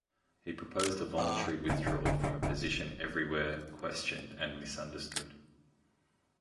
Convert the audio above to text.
He proposed a voluntary withdrawal from a position everywhere questioned and misunderstood.